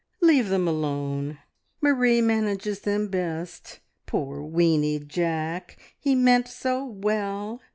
"Leave them alone; Marie manages them best. Poor, weeny Jack! He meant so well!"